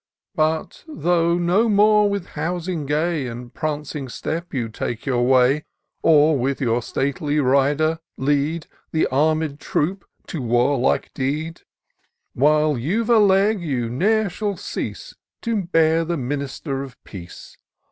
But, though no more with housing gay, . And prancing step, you take your way ; Or, with your stately rider, lead The armed troop to warlike deed; While you've a leg you ne'er shall cease To bear the minister of peace.